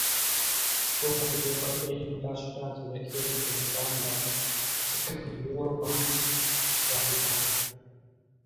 حڪومت جي پرڏيهي مٽاسٽا جي ذخيرن کي وڌائڻ لاءِ سکڪ يورو بانڊز جاري ڪرڻ